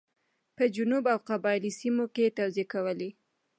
په جنوب او قبایلي سیمو کې توزېع کولې.